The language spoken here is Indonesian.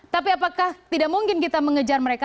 tapi apakah tidak mungkin kita mengejar mereka